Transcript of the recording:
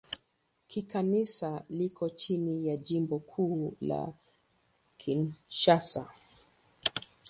Kikanisa liko chini ya Jimbo Kuu la Kinshasa.